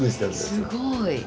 すごい。